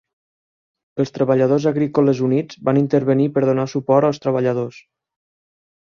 Els treballadors agrícoles units van intervenir per donar suport als treballadors.